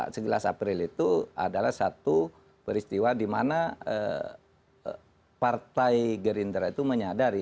sebelas april itu adalah satu peristiwa di mana partai gerindra itu menyadari